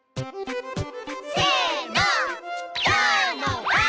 せの！